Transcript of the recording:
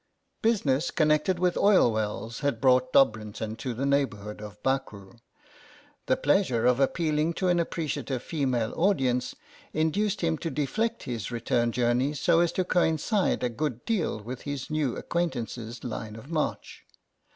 Business connected with oil wells had brought Dobrinton to the neighbourhood of Baku ; the pleasure of appealing to an appreciative female audience induced him to deflect his return journey so as to coincide a good deal with his new acquaintances' line of march.